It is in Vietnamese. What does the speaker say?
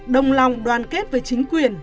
đồng lòng đoàn kết với chính quyền